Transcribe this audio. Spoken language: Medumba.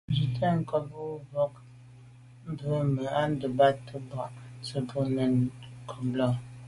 (swatəncob à bwôgmbwə̀ mbwɔ̂ α̂ nǔm bα̌ to’tə ncob boὰ tsə̀ bò nâ’ ndɛ̂n ncob lα.